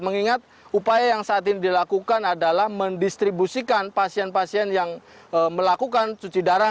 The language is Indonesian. mengingat upaya yang saat ini dilakukan adalah mendistribusikan pasien pasien yang melakukan cuci darah